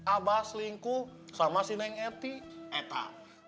abah selingkuh sama si neng eti eta